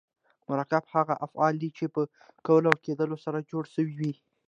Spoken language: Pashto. مرکب هغه افعال دي، چي په کول او کېدل سره جوړ سوي یي.